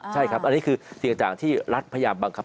ใช่ครับอันนี้คือเสี่ยงต่างที่รัฐพยายามบังคับ